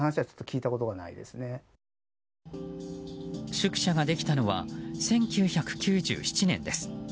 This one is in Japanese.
宿舎ができたのは１９９７年です。